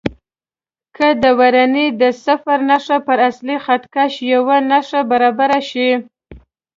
که د ورنیې د صفر نښه پر اصلي خط کش یوې نښې برابره شي.